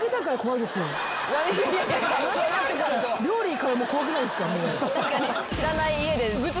料理からもう怖くないですか？